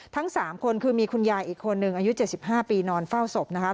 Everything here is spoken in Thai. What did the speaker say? ทั้ง๓คนคือมีคุณยายอีกคนนึงอายุ๗๕ปีนอนเฝ้าศพนะคะ